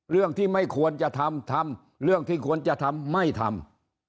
เรื่องที่ไม่ควรจะทำทำเรื่องที่ควรจะทำไม่ทำ